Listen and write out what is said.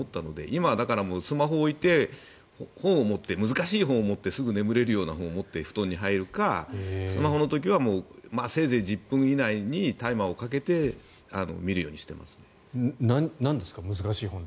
今はスマホを置いて本を持って難しい本を持ってすぐ眠れるような本を持って布団に入るかスマホの時はせいぜい１０分以内にタイマーをかけて見るようにしてます。